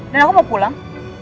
dan aku mau pulang